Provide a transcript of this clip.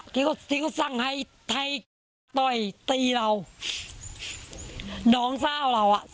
ที่ก็ที่ก็สั่งให้ให้ต่อยตีเราน้องเศร้าเราอ่ะ